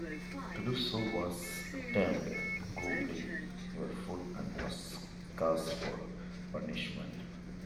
To do so was termed "gobbling" your food and was a cause for punishment.